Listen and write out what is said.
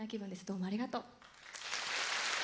どうもありがとう。